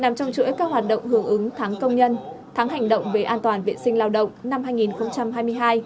nằm trong chuỗi các hoạt động hưởng ứng tháng công nhân tháng hành động về an toàn vệ sinh lao động năm hai nghìn hai mươi hai